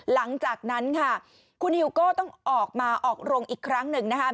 หลังจากนั้นค่ะคุณฮิวโก้ต้องออกมาออกโรงอีกครั้งหนึ่งนะคะ